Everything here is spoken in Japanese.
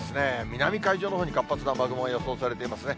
南海上のほうに活発な雨雲予想されていますね。